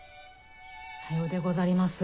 さようでござります。